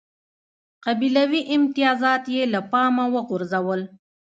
قبیلوي امتیازات یې له پامه وغورځول.